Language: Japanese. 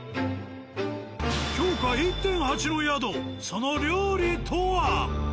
評価１．８の宿その料理とは。